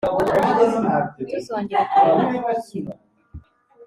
ntituzongere kureba ivukiro